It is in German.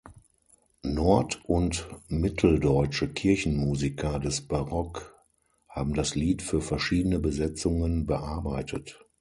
Nord- und mitteldeutsche Kirchenmusiker des Barock haben das Lied für verschiedene Besetzungen bearbeitet.